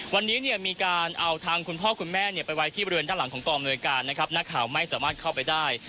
วันนี้เนี่ยมีการเอาทางคุณพ่อคุณแม่ไปไว้ที่บริเวณด้านหลังของกองอำนวยการนะครับนักข่าวไม่สามารถเข้าไปได้